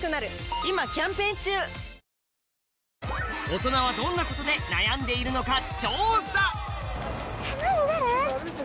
オトナはどんなことで悩んでいるのか調査！